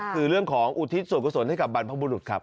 คือเรื่องของอุทิศส่วนกุศลให้กับบรรพบุรุษครับ